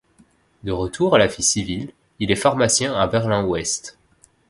De retour à la vie civile, il est pharmacien à Berlin-Ouest.